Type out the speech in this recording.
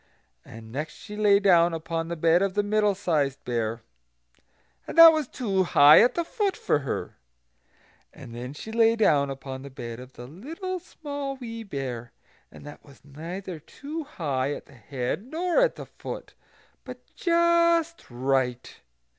And next she lay down upon the bed of the Middle sized Bear, and that was too high at the foot for her. And then she lay down upon the bed of the Little Small Wee Bear; and that was neither too high at the head nor at the foot, but just right.